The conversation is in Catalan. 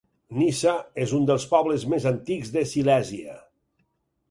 Nysa és un dels pobles més antics de Silèsia.